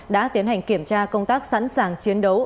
đã tiến hành kiểm tra công tác sẵn sàng chiến đấu